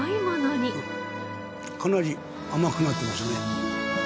かなり甘くなってますね。